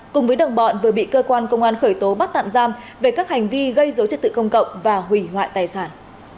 cùng với đồng bọn vừa bị cơ quan công an khởi tố bắt tạm giam về các hành vi gây dối trật tự công cộng và hủy hoại tài sản